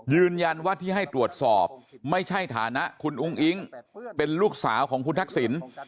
ยืนยันว่าที่ให้ตรวจสอบไม่ใช่ฐานะคุณอุ้งอิ๊งเป็นลูกสาวของคุณทักษิณ